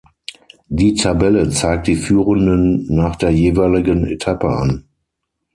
Die Tabelle zeigt die Führenden nach der jeweiligen Etappe an.